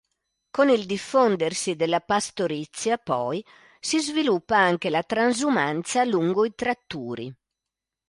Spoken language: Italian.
Con il diffondersi della pastorizia, poi, si sviluppa anche la transumanza, lungo i tratturi.